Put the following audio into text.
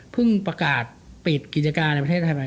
เพิ่งประกาศปิดกิจการในประเทศไทยไป